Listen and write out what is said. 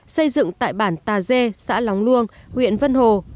xây dựng tại bản tà dê xã lóng luông huyện vân hồ